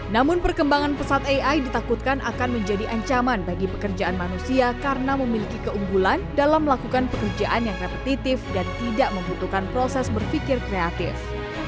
namun perkembangan pesat ai ditakutkan akan menjadi ancaman bagi pekerjaan manusia karena memiliki keunggulan dalam melakukan pekerjaan yang repetitif dan tidak membutuhkan proses berpikir kreatif